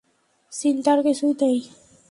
চিন্তার কিছুই নেই।